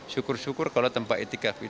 syukur syukur kalau tempat itu tidak ada masjid